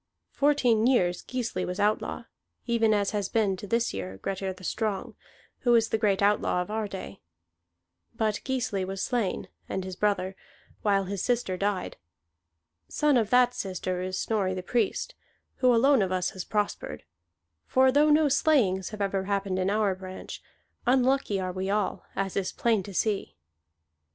Fourteen years Gisli was outlaw, even as has been, to this year, Grettir the Strong, who is the great outlaw of our day. But Gisli was slain, and his brother, while his sister died. Son of that sister is Snorri the Priest, who alone of us has prospered; for though no slayings have ever happened in our branch, unlucky are we all, as is plain to see."